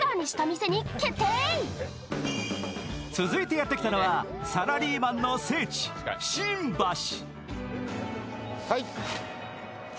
続いてやって来たのはサラリーマンの聖地、新橋。